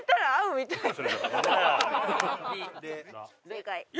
正解！